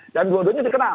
dan dua duanya dikenal